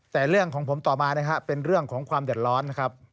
แต่เรื่องของผมต่อมานะครับเป็นเรื่องของความเดือดร้อนนะครับ